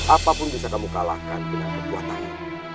apapun bisa kamu kalahkan dengan kekuatanmu